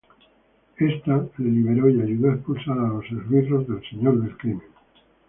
Ésta le liberó y ayudó a expulsar a los esbirros del señor del crimen.